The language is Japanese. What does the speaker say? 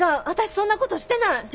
私そんなことしてない！